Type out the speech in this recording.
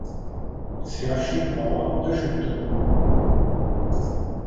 Es herrschen Trauer und Erschütterung.